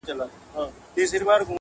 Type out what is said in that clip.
یار نښانه د کندهار راوړې و یې ګورئ-